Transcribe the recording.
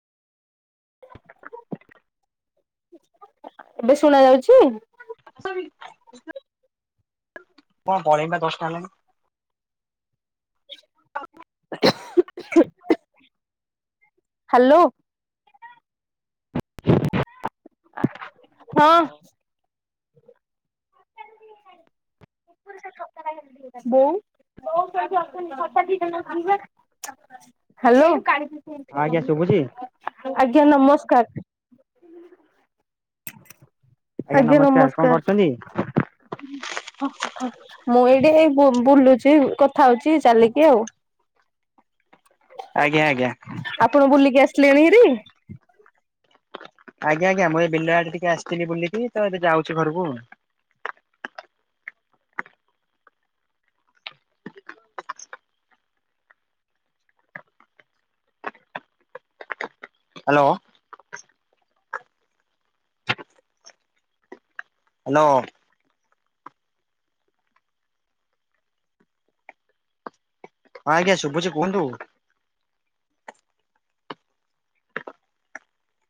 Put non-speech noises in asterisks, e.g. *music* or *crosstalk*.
ଏବେ ଶୁଣା ଯାଉଛି। କଣ ପଳେଇଲା ଦଶଟା ହେଲାଣି। ହାଲୋ। ଆ ହଁ। ବୋଉ। ହାଲୋ ଆଜ୍ଞା ଶୁଭୁଛି ଆଜ୍ଞା ନମସ୍କାର। ଆଜ୍ଞା ନମସ୍କାର କଣ କରୁଛନ୍ତି? ମୁଁ ଏଇଠି ହେଇ ବୁ-ବୁଲୁଛି କଥା ହଉଛି ଚାଲିକି ଆଉ। *inaudible* ଆଜ୍ଞା ଆଜ୍ଞା। ଆପଣ ବୁଲିକି ଆସିଲେଣି ହେରି। ଆଜ୍ଞା ଆଜ୍ଞା ମୁଁ ଏ ବିଲ ଆଡେ ଟିକେ ଆସିଥିଲି। ବୁଲିକି ତ ଏବେ ଯାଉଛି ଘରକୁ। ହାଲୋ। ହାଲୋ। ହଁ ଆଜ୍ଞା ଶୁଭୁଛି କୁହନ୍ତୁ।